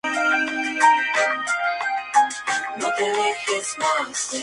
Puede suceder en cualquier arteria siendo la más frecuente la carótida externa.